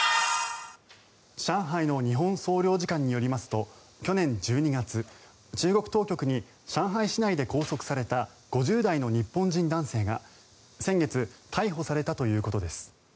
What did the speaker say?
上海の日本総領事館によりますと去年１２月、中国当局に上海市内で拘束された５０代の日本人男性が、先月逮捕されたということです。